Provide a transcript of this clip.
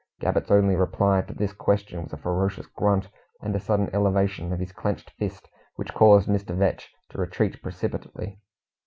Gabbett's only reply to this question was a ferocious grunt, and a sudden elevation of his clenched fist, which caused Mr. Vetch to retreat precipitately.